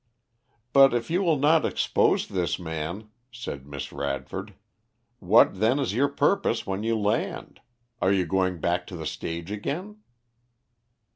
"But if you will not expose this man," said Miss Radford, "what then is your purpose when you land? Are you going back to the stage again?"